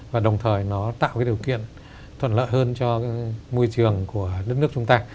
và đồng thời nó tạo cái điều kiện thuận lợi hơn cho môi trường của đất nước chúng ta